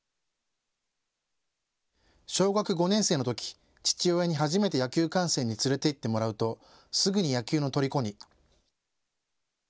小学５年生のとき父親に初めて野球観戦に連れていってもらうとすぐに野球のとりこに。